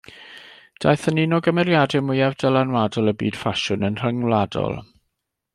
Daeth yn un o gymeriadau mwyaf dylanwadol y byd ffasiwn, yn rhyngwladol.